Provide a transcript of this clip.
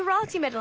の